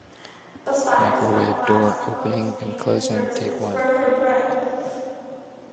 Besides, that lass owes me her services for her bread.